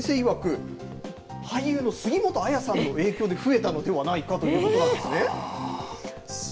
先生いわく俳優の杉本彩さんの影響で増えたのではないかということなんですね。